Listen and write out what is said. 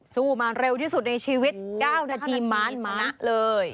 สู้มาเร็วที่สุดในชีวิต๙นาทีม้านมชนะเลย